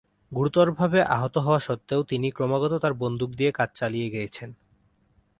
গুরুতরভাবে আহত হওয়া সত্ত্বেও, তিনি ক্রমাগত তার বন্দুক দিয়ে কাজ চালিয়ে গিয়েছেন।